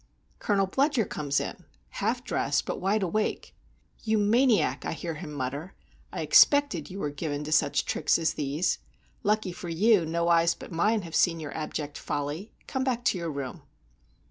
Colonel Bludyer comes in, half dressed, but wide awake. "You maniac!" I hear him mutter: "I expected you were given to such tricks as these. Lucky for you no eyes but mine have seen your abject folly. Come back to your room."